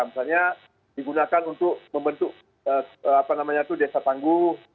maksudnya digunakan untuk membentuk desa panggung